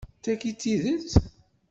D tagi i d tidett?